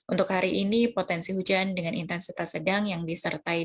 untuk hari ini potensi hujan dengan intensitas sedang yang disertai